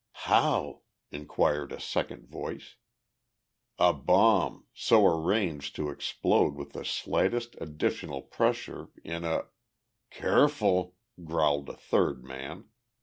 "How?" inquired a second voice. "A bomb, so arranged to explode with the slightest additional pressure, in a " "Careful," growled a third man.